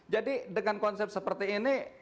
jadi dengan konsep seperti ini